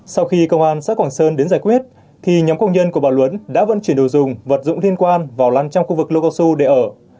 sau khi công an xã quảng sơn đến giải quyết thì nhóm công nhân của bà luấn đã vận chuyển đồ dùng vật dụng liên quan vào lan trong khu vực lô cao su để ở